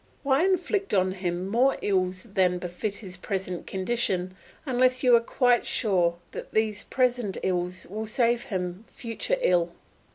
Why inflict on him more ills than befit his present condition unless you are quite sure that these present ills will save him future ill?